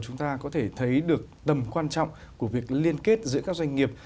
chúng ta có thể thấy được tầm quan trọng của việc liên kết giữa các doanh nghiệp